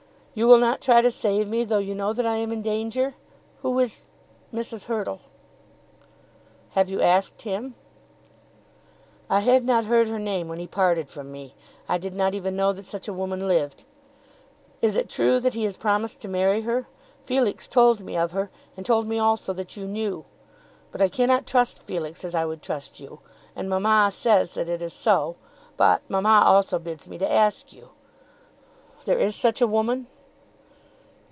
You will not try to save me though you know that I am in danger? Who is Mrs. Hurtle?" "Have you asked him?" "I had not heard her name when he parted from me. I did not even know that such a woman lived. Is it true that he has promised to marry her? Felix told me of her, and told me also that you knew. But I cannot trust Felix as I would trust you. And mamma says that it is so; but mamma also bids me ask you. There is such a woman?"